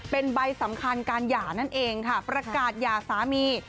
เป็นใบสำคัญการหย่านั่นเองค่ะประกาศหย่าสามี